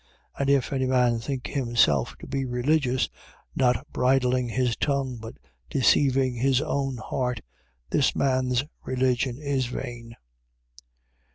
1:26. And if any man think himself to be religious, not bridling his tongue but deceiving his own heart, this man's religion is vain.